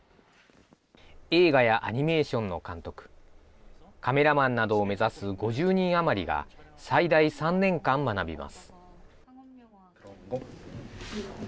映画やアニメーションの監督、カメラマンなどを目指す５０人余りが、最大３年間学びます。